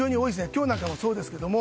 今日なんかもそうですが。